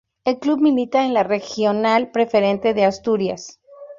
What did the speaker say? El club milita en la Regional Preferente de Asturias.